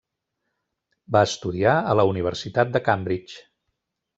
Va estudiar a la Universitat de Cambridge.